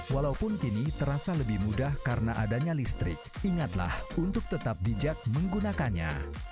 walaupun kini terasa lebih mudah karena adanya listrik ingatlah untuk tetap bijak menggunakannya